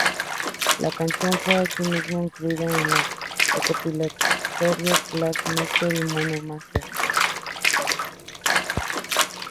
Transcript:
La canción fue, asimismo, incluida en los recopilatorios "Past Masters" y "Mono Masters".